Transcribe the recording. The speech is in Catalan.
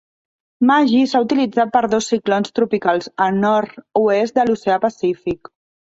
Maggie s'ha utilitzat per dos ciclons tropicals al nord-oest de l'Oceà Pacífic.